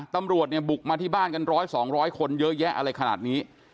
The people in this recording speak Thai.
ตำรวจเนี่ยบุกมาที่บ้านกัน๑๐๐๒๐๐คนเยอะแยะอะไรขนาดนี้